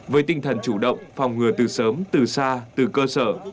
với tinh thần chủ động phòng ngừa từ sớm từ xa từ cơ sở